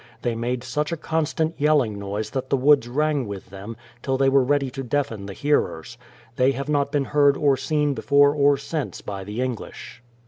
They made such a constant yelling noise that the woods rang with them, till they were ready to deafen the hearers. They have not been heard or seen before or since by the English.